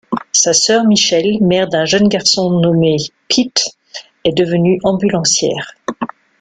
Sa sœur, Michelle, mère d'un jeune garçon nommé Pete, est devenue ambulancière.